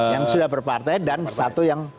yang sudah berpartai dan satu yang